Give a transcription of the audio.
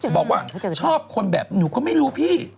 บอกว่าชอบคนแบบหนูก็ไม่รู้พี่